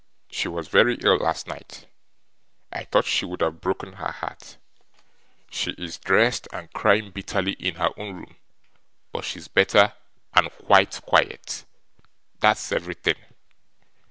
'She was very ill last night. I thought she would have broken her heart. She is dressed, and crying bitterly in her own room; but she's better, and quite quiet. That's everything!